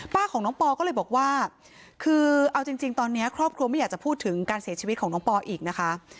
ป้าของน้องปอก็เลยบอกว่าคือเอาจริงตอนนี้ครอบครัวไม่อยากจะพูดถึงการเสียชีวิตของน้องปออีกนะคะ